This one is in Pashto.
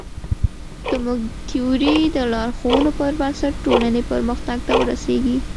زموږ د تیورۍ د لارښوونو پر بنسټ ټولنې پرمختګ ته ورسېږي.